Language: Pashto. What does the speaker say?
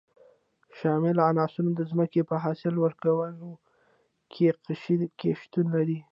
شامل عنصرونه د ځمکې په حاصل ورکوونکي قشر کې شتون لري.